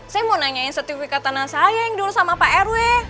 saya mau nanyain sertifikat tanah saya yang dulu sama pak rw